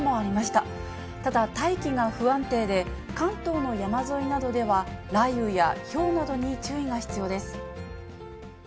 ただ、大気が不安定で、関東の山沿いなどでは、雷雨やひょうなどに注意が必要です。